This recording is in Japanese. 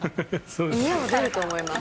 家を出ると思います。